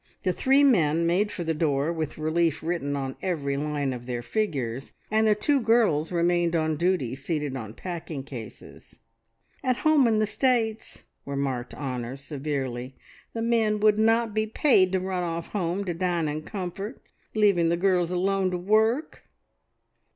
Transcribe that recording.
The three men made for the door, with relief written on every line of their figures, and the two girls remained on duty seated on packing cases. "At home in the States," remarked Honor severely, "the men would not be paid to run off home to dine in comfort, leaving the girls alone to work."